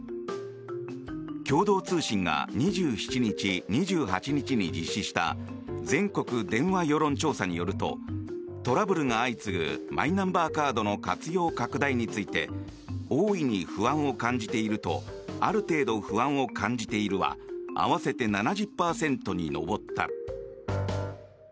共同通信が２７日、２８日に実施した全国電話世論調査によるとトラブルが相次ぐマイナンバーカードの活用拡大について大いに不安を感じているとある程度不安を感じているは合わせて７０％に上った。